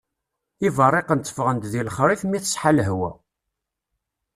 Iberriqen teffɣen-d deg lexrif mi teṣḥa lehwa.